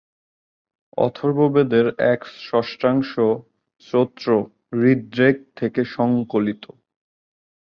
অথর্ববেদের এক-ষষ্ঠাংশ স্তোত্র ঋগ্বেদ থেকে সংকলিত।